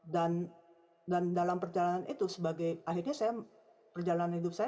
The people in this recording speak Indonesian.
dan dan dalam perjalanan itu sebagai akhirnya saya perjalanan hidup saya